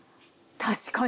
確かに。